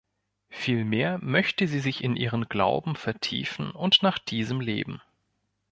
Vielmehr möchte sie sich in ihren Glauben vertiefen und nach diesem leben.